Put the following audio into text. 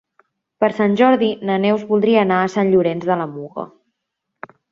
Per Sant Jordi na Neus voldria anar a Sant Llorenç de la Muga.